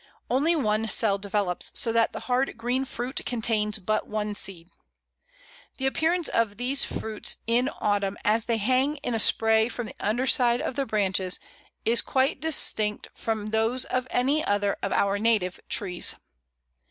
Only one cell develops, so that the hard green fruit contains but one seed. The appearance of these fruits in autumn as they hang in a spray from the underside of the branches is quite distinct from those of any other of our native trees.